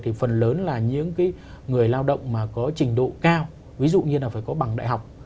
thì phần lớn là những người lao động mà có trình độ cao ví dụ như là phải có bằng đại học